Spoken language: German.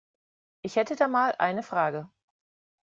Ich hätte da mal eine Frage.